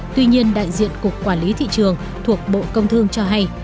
tuy nhiên đại diện cục quản lý thị trường thuộc bộ công thương cho hay